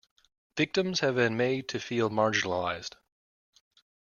Victims have been made to feel marginalised.